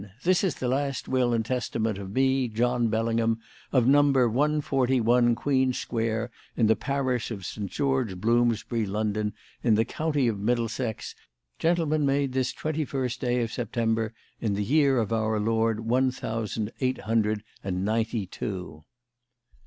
This is the last will and testament of me John Bellingham of number 141 Queen Square in the parish of St. George Bloomsbury London in the county of Middlesex Gentleman made this twenty first day of September in the year of our Lord one thousand eight hundred and ninety two.